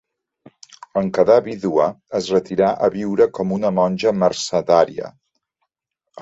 En quedar vídua es retirà a viure com una monja mercedària.